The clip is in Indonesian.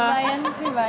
lumayan sih banyak